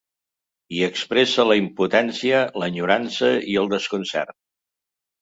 Hi expressa la impotència, l’enyorança i el desconcert.